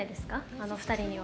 あの二人には。